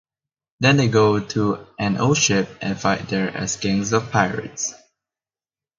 Then they go to an old ship and fight there as gangs of pirates.